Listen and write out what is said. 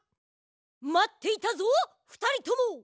まっていたぞふたりとも！